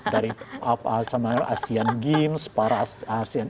dari asian games para asian